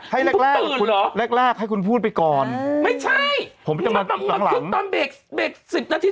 ให้เรานะล่ะคุณพูดไปก่อนไม่ใช่ผมจะมาน้ำไม่คุกต้นเบรก๑๐นาที